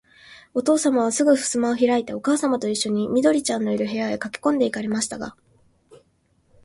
おとうさまは、すぐさまふすまをひらいて、おかあさまといっしょに、緑ちゃんのいる、部屋へかけこんで行かれましたが、